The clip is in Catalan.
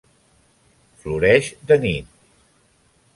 Floreix de nit.